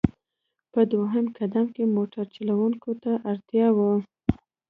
په دویم قدم کې موټر چلوونکو ته اړتیا وه.